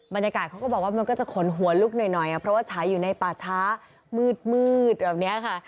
บรรยากาศเขาก็บอกว่ามันก็จะขนหัวลุกหน่อยเพราะว่าฉายอยู่ในป่าช้ามืดแบบนี้ค่ะ